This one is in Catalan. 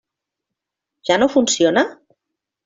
Ja no funciona?